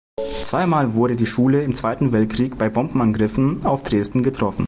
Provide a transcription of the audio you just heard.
Zwei Mal wurde die Schule im Zweiten Weltkrieg bei Bombenangriffen auf Dresden getroffen.